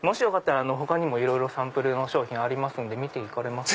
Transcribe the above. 他にもいろいろサンプルの商品ありますので見ていかれますか？